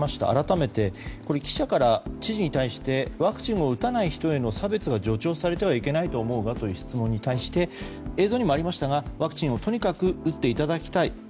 改めて、記者から知事に対してワクチンを打たない人への差別が助長されてはいけないと思うがという質問に対して映像にもありましたがワクチンをとにかく打っていただきたい。